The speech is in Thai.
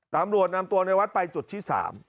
ตำรวจนำตัวในวัดไปจุดที่๓